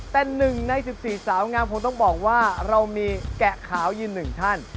แต่๑ใน๑๔สาวงามคงต้องบอกว่าเรามีแกะขาวยืนหนึ่งท่าน